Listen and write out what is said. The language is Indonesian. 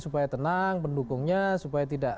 supaya tenang pendukungnya supaya tidak